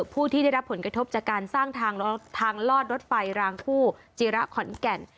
ผู้ที่ได้รับผลกระทบจากการสร้างทางลอดรถไฟรางคู่จิระขอนแก่น